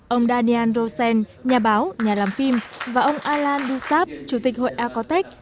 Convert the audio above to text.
ông daniel rosen nhà báo nhà làm phim và ông alain dussab chủ tịch hội arcotech